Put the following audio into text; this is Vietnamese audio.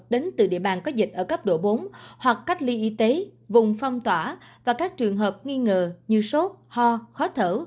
đến từ địa bàn có dịch ở cấp độ bốn hoặc cách ly y tế vùng phong tỏa và các trường hợp nghi ngờ như sốt ho khó thở